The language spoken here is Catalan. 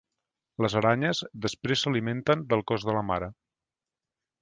Les aranyes després s'alimenten del cos de la mare.